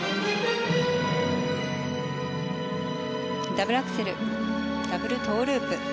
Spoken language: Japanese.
ダブルアクセルダブルトウループ。